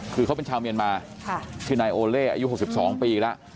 คือเขาเป็นชาวเมียนมาชื่อนายโอเล่อายุ๖๒ปีแล้ว